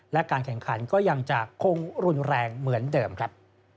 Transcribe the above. และการแข่งขันก็ยังจะคงรุนแรงเหมือนเดิมครับ